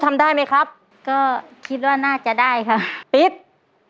ทำได้ไหมครับก็คิดว่าน่าจะได้ค่ะปิ๊บ